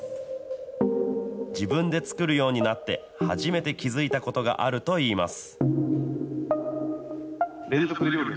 自分で作るようになって、初めて気付いたことがあるといいます。